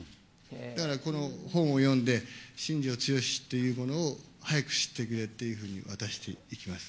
だからこの本を読んで、新庄剛志というものを早く知ってくれっていうふうに渡していきます。